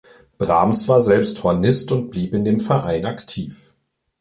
Brahms war selbst Hornist und blieb in dem Verein aktiv.